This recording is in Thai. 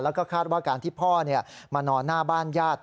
แล้วก็คาดว่าการที่พ่อมานอนหน้าบ้านญาติ